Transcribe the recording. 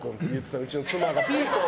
うちの妻が。